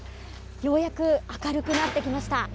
ようやく明るくなってきました。